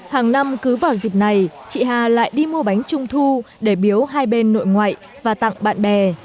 hàng năm cứ vào dịp này chị hà lại đi mua bánh trung thu để biếu hai bên nội ngoại và tặng bạn bè